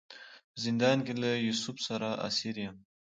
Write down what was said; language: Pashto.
په زندان کې له یوسف سره اسیر یم.